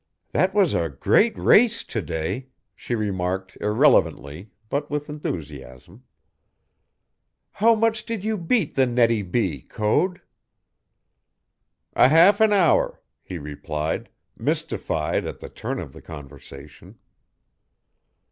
"That was a great race to day," she remarked irrelevantly, but with enthusiasm. "How much did you beat the Nettie B., Code?" "A half an hour," he replied, mystified at the turn of the conversation.